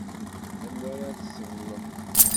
Anwa ara tesseḍlem?